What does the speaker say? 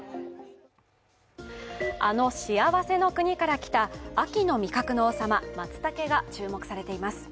あの幸せの国から来た秋の味覚の王様、まつたけが注目されています。